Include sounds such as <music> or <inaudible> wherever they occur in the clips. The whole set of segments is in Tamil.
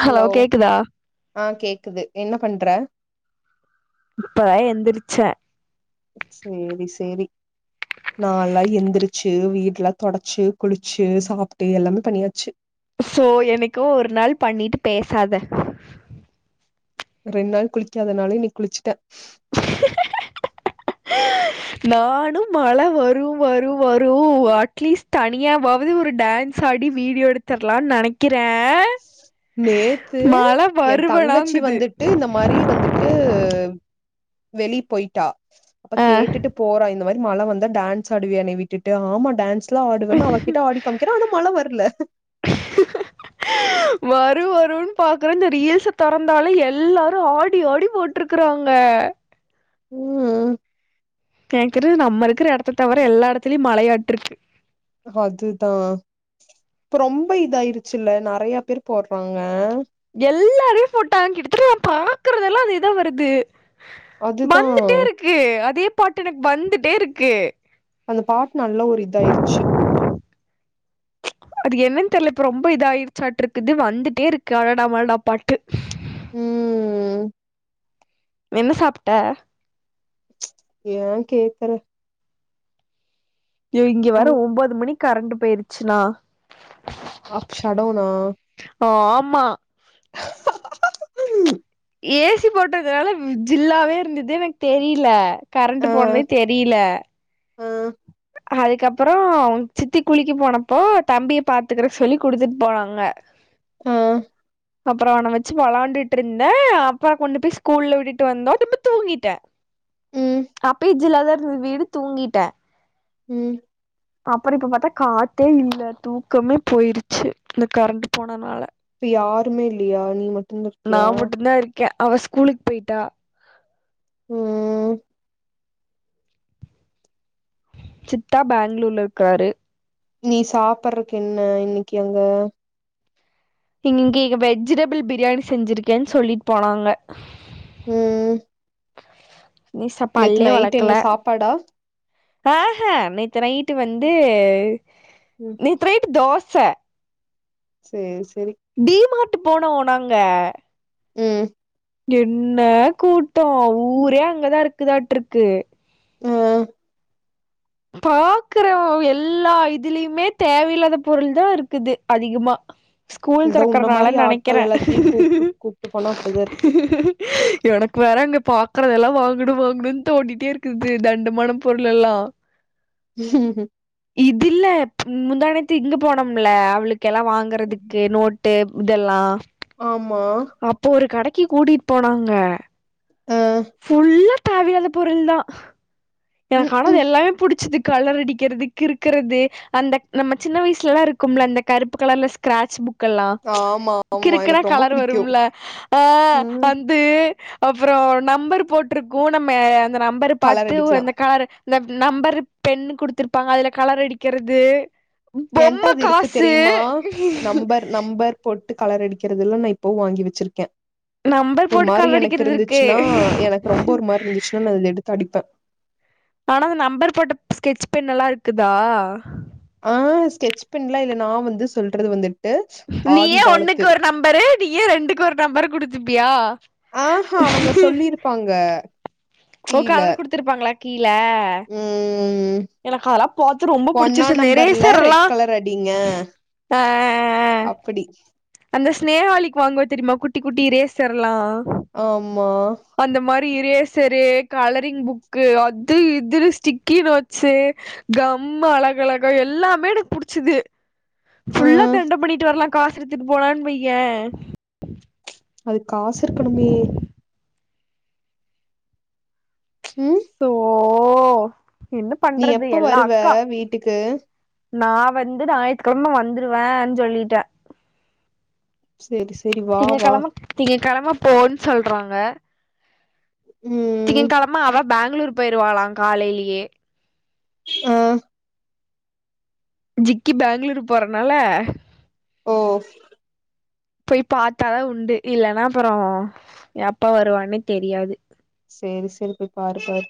ஹலோ ஆ கேக்குது என்ன பண்ற இப்ப எந்திரிச்ச சேரி சேரி நால்ளா எந்திரிச்சு வீட்டுல தொடச்சு குளிச்சு சாப்பிட்டு எல்லாமே பண்ணியாச்சு ஸோ என்னக்கோ ஒரு நாள் பண்ணிட்டு பேசாத ரெண்டு நாள் குளிக்காதனால இன்னைக் குளிச்சுட்டே நானு மழ வரு வரு வரு அட்லீஸ் தனியாவது ஒரு டான்ஸ் ஆடி வீடியோ எடுத்திர்லான் நெனைக் கிற நேத்து எ தங்கச்சி வருவனாங்குது வந்துட்டு இந்த மாரி வந்துட் டு வெளி போய்ட்டா அப்ப ஆ கேட்டுட்டு போறா இந்த மாரி மழ வந்தா டான்ஸ் ஆடுவியா என்ன விட்டுட்டு ஆமா டான்ஸ் லா ஆடுவேன்னு அவகிட்ட ஆடி காமிக்கிறே ஆனா மழ வர்ல வரு வருன் பாக்குறே இந்த ரீல்ஸ் தொறந்தாலே எல்லாரு ஆடி ஆடி போட் ருக்குறாங்க ம் கேக்குறது நம்ம இருக்கிற எடத்த தவிர எல்லா எடத்துலயு மழையாட்ருக்கு அதுதா இப்ப ரொம்ப இதாயிருச்சுல்ல நெறையா பேர் போற்ராங்க எல்லாருமே போட்டாங் கிட்டத்தட்ட நா பாக்குறதெல்லா அதேதா வருது அதுதா வந்துட்டே இருக்கு அதே பாட்டு எனக் வந்துட்டே இருக்கு அந்த பாட் நல்ல ஒரு இதாயிருச்சு அது என்னன் தெர்ல இப்ப ரொம்ப இதாயிருச்சாட்டு இருக்குது வந்துட்டே இருக்கு அடடா மழடா பாட்டு ம் என்ன சாப்ட்ட ஏ கேக்குற யோ இங்க ஓ வேற ஒன்பது மணிக் கரண்ட் போயிருச்சுனா அப் சடோனா ஆ ஆமா ஏ சி போட்டதுனால வ் ஜில்லாவே இருந்தது எனக்கு தெரியல கரண்ட் போனதே தெரியல அ அதுக்கப்புறோ சித்தி குளிக்க போனப்போ தம்பிய பாத்துக்குற சொல்லி குடுத்துட் போனாங்க ஆ அப்புறோ அவன வச் சி விளாண்டுட்டு இருந்தே அப்பா கொண்டு போய் ஸ்கூல்ல விட்டுட்டு வந்தோ திரும்ப தூங்கிட்டே ம் அப்பயு ஜில்லாதா இருந்து வீடு தூங்கிட்டே ம் அப்புறோ இப்ப பாத்தா காத்தே இல்ல தூக்கமே போயிருச்சு இந்த கரண்ட் போனனால இப்ப யாருமே இல்லையா நீ மட்டுந்தா இருக்கியா க அவ ஸ்கூலுக்கு போய்ட்டா ம் சித்தா பேங்ளூர்ல இருக்காரு நீ சாப்பிறக்கு என்ன இன்னைக்கு அங்க நீன் இங்கே வெஜிடபிள் பிரியாணி செஞ்சிருக்கேன் சொல்லிட் போனாங்க ம் நீ சாப் நேத்து பல்லே நைட் வெளக்கல என்ன சாப்பாடா ஆஹ நேத்து நைட்டு வந்து ம் நேத்து நைட் தோச சேரி சரி டி மார்ட் போனோ நாங்க ம் என்ன கூட்டோ ஊரே அங்கதா இருக்குதாட்ருக்கு ஓ பாக்குறவ எல்லா இதுலியுமே தேவயில்லாத பொருள் தா இருக்குது அதிகமா ஸ்கூல் இந்த உன்ன தெறக்கர்னால மாரி ஆட்கள் நெனைக்கிறே எல்லாத்தையு கூப்ட்டு கூப்ட்டு போனா அப்டிதா இருக்கு எனக்கு வேற அங்க பாக்கறதெல்லா வாங்கணு வாங்கணுன் தோனிட்டே இருக்குது தண்டமான பொருள் எல்லா ம் இதுல்ல முந்தாணேத்து இங்க போனோம்ல அவுளுக்கு எல்லா வாங்கறதுக்கு நோட்டு இதெல்லா ஆமா அப்போ ஒரு கடைக்கு கூட்டிட் போனாங்க ஆ ஃபுல்லா தேவையான பொருள் தா ம் எனக்கான ம் அது எல்லாமே புடிச்சுது கலர் அடிக்கிறது கிருக்குறது அந்த நம்ம சின்ன வய்சுல எல்லா இருக்கும்ல அந்த கருப்பு கலர்ல ஸ்கிராட்ச் புக் கல்லா ஆமா ஆமா கிருக்குனா எனக்கு ரொம்ப கலர் புடிக்கு வரும்லா ஆ ம் அந் து அப்றோ நம்பர் போட்ருக்கோ நம்ம அந்த நம்பரு கலர் பாத்து அடிக்கலா அந்த கலரு இந்த நம்பரு பென்னு குடுத்துருப்பாங்க அதுல கலர் அடிக்கிறது என்ட்ட பொம்ம அது இருக்கு காசு பொட்டு கலர் அடிக்கிறதல்லா நா இப்பவு வாங்கி வெச்ருக்கே நம்பர் ஒரு போட்டு மாரி கலர் எனக்கு அடிக்கிறது இருக்கு இருந்துச்சுன்னா எனக்கு ரொம்ப ஒரு மாரி இருந்துச்சுன்னா நா அத எடுத்து அடிப்பே ஆனா அந்த நம்பர் போட்ட ஸ்கெட்ச் பென் எல்லாருக்குதா ஆ ஸ்கெச் பென்லா இல்ல நா வந்து சொல்றது வந்து நீயே ஒண்ணுக்கு ஒரு நம்பரு நீயே ரெண்டுக்கு ஒரு நம்பரு குடுத்துப்பியா ஆ ஹா அவங்க சொல்லிருப்பாங்க ஓ கலரு குடுத்துருப்பாங்ளா கீழ ம் ம் ம் எனக்கு அதெல்லா பாத்து ரொம்ப ஒன்னா புடிச்சிருச்சு அந்த நம்பர்ல எரேசர் எல்லா ரெட் கலர் அடிங்க ஆ அப்புடி அந்த ஸ்நேஹாளிக் வாங்வா தெரிமா குட்டி குட்டி ரேஸர் லா ஆம்மா அந்த மாரி இரேசரு கலரிங் புக்கு அது இதுனு ஸ்டிக்கி நோட் ஸு கம்மு அழகழகா எல்லாமே எனக்கு புடிச்சிது ஆ ஃபுல்லா தெண்டம் பண்ணிட்டு வரலா காசு எடுத்துட்டு போனான் வையேன் அதுக் காஸ் இருக்கணுமே ம் சோ என்ன நீ பண்றது எப்ப எல்லா வருவ அக்கா வீட்டுக்கு நா வந்து ஞாயித்துக்கெழம வந்துருவேன் சொல்லிட்டே சேரி சே திங்க கழம திங்க கழம போன் சொல்றாங்க திங்க ம் கழம அவ பேங்ளூர் போய்ருவாளாம் காலைலியே ஆ ஜிக்கி பேங்ளூர் போறனால ஓ போய் பாத்தாதா உண்டு இல்லன்னா அப்றோ எப்ப வருவான்னே தெரியாது சேரி சேரி போய் பாரு பாரு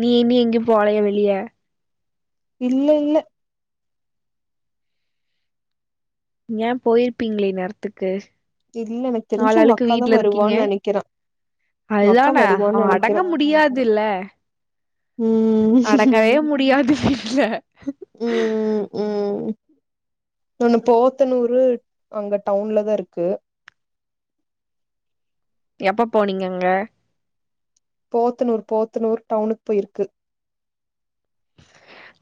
நீ நீ எங்யு போலயோ வெளிய இல்ல இல்ல எங்கியே போயிருப்பீங்ளே இந்நேர்த்துக்கு இல்ல எனக்கு தெரிஞ்சு உங்க அக்காதா வருவான் நெனைக்கிறே உங்க அக்கா அதுதானே அவ வருவான்னு அடங்க நெனைக்கிறே முடியாதில்ல ம் அடங்கவே முடியாது வீட்ல ம் ம் ஒன்னு போத்தனூரு அங்க டவுன்ல தா இருக்கு எப்ப போனீங்கங்க போத்தனூர் போத்தனூர் டவுனுக் போயிருக்கு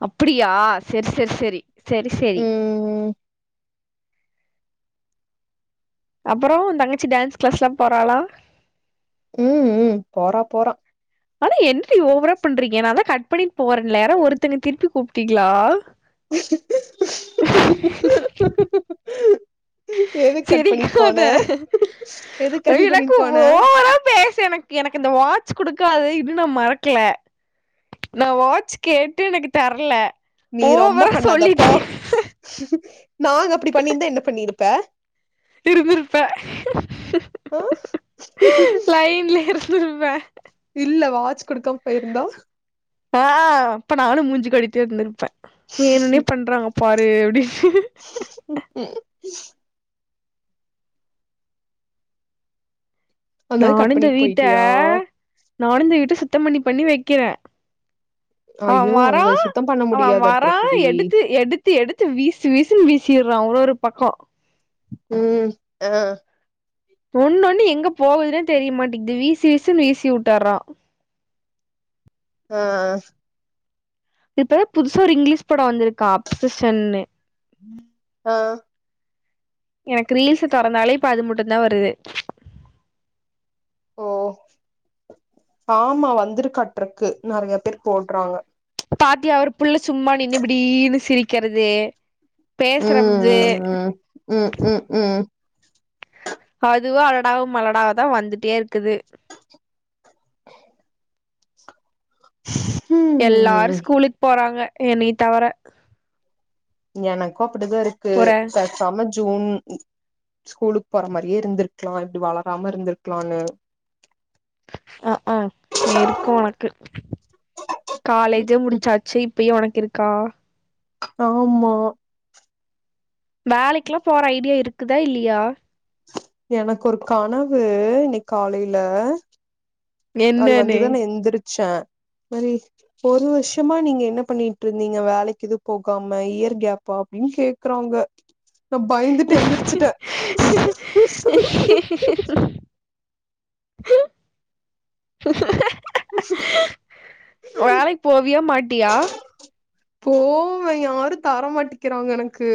அப்படியா செர் செர் செரி செரி செரி ம் அப்பறோ உ தங்கச்சி டேன்ஸ் க்ளாஸ்ல்லா போறாலா ம் ம் போறா போறா ஆனா என்ரி ஓவரா பண்றீங்க நா தா கட் பண்ணிட் போறேன்ல யாரோ ஒருத்தங்க திருப்பி கூப்டீங்ளா எதுக்கு கட் பண்ணிட்டு சிரிக்காத போன எதுக்கு கட் எனக்கு பண்ணிட்டு போன ஒவரா பேச எனக் எனக்கு இந்த வாட்ச் குடுக்காது இன்னு நா மறக்ல நா வாட்ச் கேட்டு எனக்கு தர்ல நீ ரொம்ப பண்ணாத போ நாங்க அப்டி பண்ணியிருந்தா என்ன பண்ணிருப்ப இருந்திர்ப்பே ஆ லைன்லே இருந்திர்ப்பே இல்ல வாட்ச் குடுக்காம போயிருந்தா ஆ அப்ப நானு மூஞ்சு காட்டிட்டே இர்ந்திர்ப்பே வேணுனே பண்றாங்க பாரு அப்டின்னு <unintelligible> அதனால நானு கட் இந்த பண்ணிட்டு வீட்ட போயிட்டியா நானு இந்த வீட்ட சுத்தம் பண்ணி பண்ணி வெக்கிறே அவ ஐயோ வரா அங்க சுத்தம் பண்ண அவ வரா முடியாதாட்ருக்குடி எடுத்து எடுத் து எடுத்து வீசு வீசன்னு வீசிர்றா ஒரு ஒரு பக்கோ ம் அ ஒண்ணு ஒண்ணு எங்க போகுதுன்னே தெரிய மாட்டிக்து வீசு வீசுன்னு வீசி வுட்றா ஆ இப்ப புதுசா ஒரு இங்கிலீஷ் படோ வந்துருக்கா அப்சஷன்னு ஆ எனக்கு ரீல்ஸ் தொறந்தாலே இப்ப அது முட்டுந்தா வருது ஓ ஆமா வந்துருக்காட்ருக்கு நெறைய பேரு போட்றாங்க பாத்யா ஒரு புள்ள சும்மா நின்னு இப்டீனு சிரிக்கறது பேசறம்து ம் ம் ம் ம் ம் அதுவு அலடாவு மலடாவ தா வந்துட்டேருக்குது ம் எல்லாரு ம் ஸ்கூலுக்கு போறாங்க என்னய தவிர எனக்கு அப்டிதா இருக்கு பேசாம ஜூன் ஸ்கூலுக்கு போற மாரியே இருந்திருக்லா இப்டி வளராம இர்ந்திர்க்லானு அ அ இருக்கு ஒனக்கு காலேஜே முடிச்சாச்சு இப்பயு ஒனக்கிருக்கா ஆமா வேலைக்லா போற ஐடியா இருக்குதா இல்லியா எனக்கு ஒரு கனவு இன்னைக் காலைல அது என்னன்னு வந்துதா நா எந்திரிச்சே மாரி ஒரு வர்ஷமா நீங்க என்ன பண்ணிட்ருந்தீங்க வேலைக் எது போகாம இயர் கேப்பா அப்டின் கேக்றாங்க நா பய்ந்துட்டு எந்திர்ச்சுட்டே வேலைக் போவியா மாட்டியா போவே யாரு தர மாட்டிக்கிறாங்க எனக்கு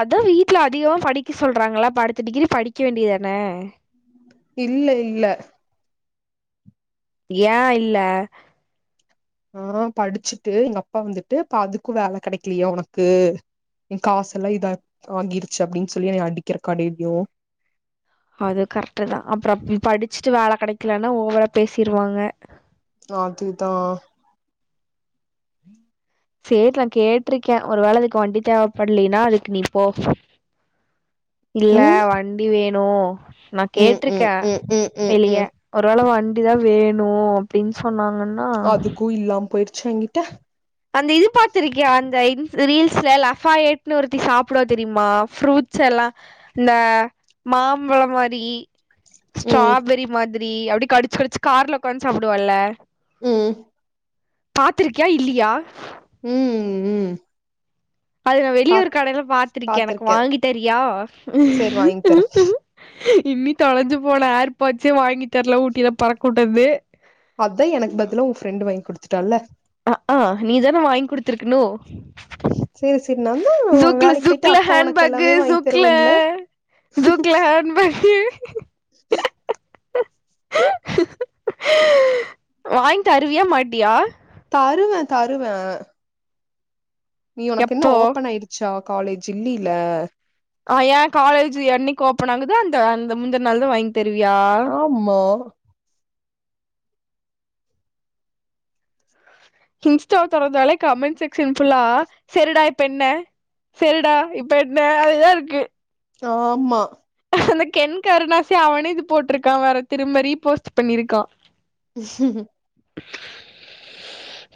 அதா வீட்ல அதிகமா படிக்க சொல்றாங்கல்ல அப்ப அடுத்த டிகிரி படிக்க வேண்டியதான இல்ல இல்ல ஏ இல்ல ஆ படிச்சிட்டு எங்க அப்பா வந்துட்டு இப்ப அதுக்கு வேல கெடைக்லியா உனக்கு எ காசெல்லா இதா ஆகிருச்சு அப்டின் சொல்லி என்னய அடிக்கிறக்கா டெய்லியு அது கரெக்ட்டு தா அப்றோ ம் படிச்சிட்டு வேல கெடைக்கலன்னா ஓவரா பேசிர்வாங்க அதுதா சேரி நா கேட்ருக்கே ஒருவேள அதுக் வண்டி தேவப்பட்லீனா அதுக்கு நீ போ இல்ல ம் வண்டி வேணு நா ம் ம் கேட்ருக்கே ம் ம் ம் வெளிய ம் ஒருவேள வண் டி தா வேணு அப்டின் சொன்னாங்கன் அதுக்கு இல்லாம் போயிர்ச்சுனா எங்கிட்ட அந்த இது பாத்திருக்கியா அந்த இன்ஸு ரீல்ஸ்ல லஃபா எட்னு ஒருத்தி சாப்டுவா தெரியுமா ஃப்ரூட்ஸ் எல்லா இந்த மாம்பழோ மாரி ம் ஸ்ட்ராபெரி மாதிரி அப்டியே கடிச்சு கடிச்சு கார்ல உக்காந் சாப்டுவால்ல ம் பாத்திருக்கியா இல்லியா ம் ம் அது நா வெளிய ஒரு பாத் கடைல பாத்திருக்கே எனக்கு வாங்கி தரியா சேரி வாங்கி தரே இன்னி தொலஞ்சு போன ஏர்பாட்சே வாங்கி தர்ல ஊட்டில பறக் உட்டது அதா எனக் பதிலா உ ஃப்ரண்டு வாய்ங் குடுத்துட்டால்ல அ அ நீதான வாய்ங் குடுத்திருக்கணு சேரி சேரி நாந்தா ஜூக்ல வேலைக்கு போயிட்டு ஜூக்ல அக்கா உனக்கு ஹேண்பேகு எல்லாமே வாங்கி ஜூக்ல தருவேன்ல ஜூக்ல ஹேண்பேகு <inaudible> ம் வாய்ங் தருவியா மாட்டியா தருவ தருவ நீ உனக்கென்ன எப்போ ஓப்பன் ஆய்டுச்சா காலேஜு இல்லீல ஆ ஏ காலேஜு என்னிக் ஓப்பன் ஆகுதோ அந்த அந்த முந்தன் நாள் தா வாய்ங் தருவியா மா இன்ஸ்டா தொறந்தாலே கமெண்ட் செக்சன் ஃபுல்லா செரிடா இப்ப என்ன செரிடா இப்ப என்ன அதுதா இருக்கு ஆமா அந்த கென் கருணாஸே அவனே இது போட்ருக்கா வேற திரும்ப ரீபோஸ்ட்டு பண்ணிருக்கா உ <inaudible>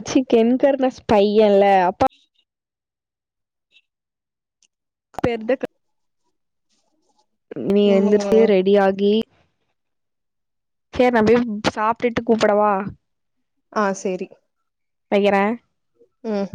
சி கென் கருணாஸ் பையன்ல அப்பா ம் <inaudible> பேர் தா நீ எந்திர்ச்சு ம் ரெடி ஆகி சேர் நா போய் சாப்ட்டுட்டு கூப்படவா ஆ சேரி வக்கிற ம்